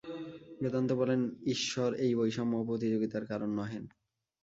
বেদান্ত বলেন, ঈশ্বর এই বৈষম্য ও প্রতিযোগিতার কারণ নহেন।